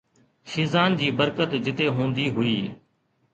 شيزان جي برڪت جتي هوندي هئي.